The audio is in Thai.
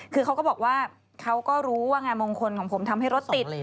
คือเขาก็บอกว่าเขาก็รู้ว่างานมงคลของผมทำให้รถติด